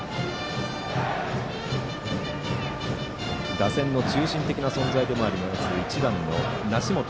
打線の中心的な存在でもある１番、梨本。